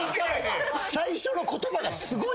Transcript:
最初の言葉がすごい。